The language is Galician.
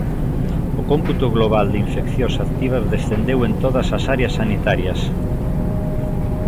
O cómputo global de infeccións activas descendeu en todas as áreas sanitarias.